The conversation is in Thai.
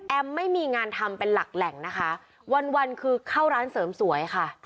ไม่มีงานทำเป็นหลักแหล่งนะคะวันคือเข้าร้านเสริมสวยค่ะ